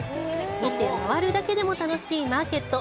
見て回るだけでも楽しいマーケット。